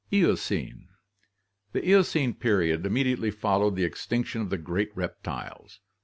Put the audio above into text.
Eocene. — The Eocene period immediately followed the extinc tion of the great reptiles.